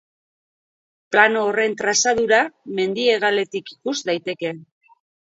Plano horren trazadura mendi-hegaletik ikus daiteke.